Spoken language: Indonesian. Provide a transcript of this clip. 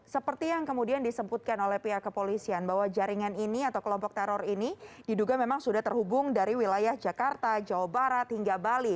seperti yang kemudian disebutkan oleh pihak kepolisian bahwa jaringan ini atau kelompok teror ini diduga memang sudah terhubung dari wilayah jakarta jawa barat hingga bali